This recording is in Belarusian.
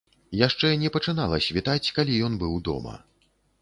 Яшчэ не пачынала світаць, калі ён быў дома.